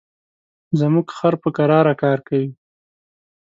زموږ خر په کراره کار کوي.